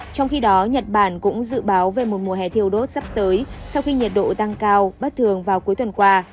trong khi đó nhật bản cũng dự báo về một mùa hè thiêu đốt sắp tới sau khi nhiệt độ tăng cao bất thường vào cuối tuần qua